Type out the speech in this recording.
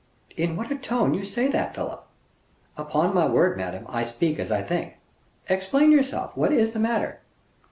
"In what a tone you say that, Philip." "Upon my word, madame, I speak as I think." "Explain yourself; what is the matter?"